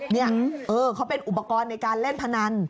นี่เขาเป็นอุปกรณ์ในการเล่นพนัน